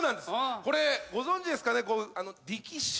これご存じですかね？